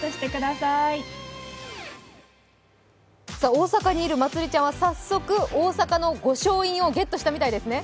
大阪にいるまつりちゃんは早速、大阪の御翔印をゲットしたんですね？